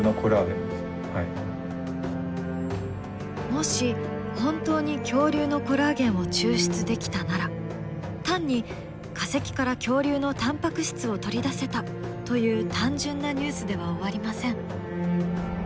もし本当に恐竜のコラーゲンを抽出できたなら単に化石から恐竜のタンパク質を取り出せた！という単純なニュースでは終わりません。